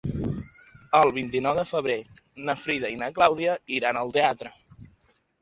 El vint-i-nou de febrer na Frida i na Clàudia iran al teatre.